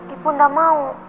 ibu nggak mau